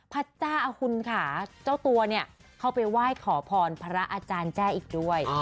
พระเจ้าคุณค่ะเจ้าตัวเนี่ยเข้าไปไหว้ขอพรพระอาจารย์แจ้อีกด้วย